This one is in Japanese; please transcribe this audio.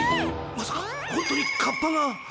まさかホントにカッパが？